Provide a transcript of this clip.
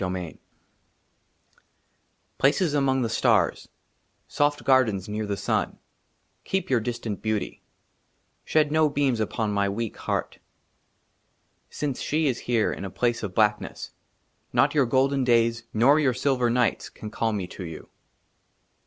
23 ^r« XXIII PLACES AMONG THE STARS, SOFT GARDENS NEAR THE SUN, KEEP YOUR DISTANT BEAUTY ; SHED NO BEAMS UPON MY WEAK HEART. SINCE SHE IS HERE IN A PLACE OF BLACKNESS, NOT YOUR GOLDEN DAYS NOR YOUR SILVER NIGHTS CAN CALL ME TO YOU.